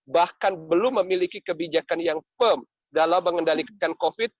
bahkan belum memiliki kebijakan yang firm dalam mengendalikan covid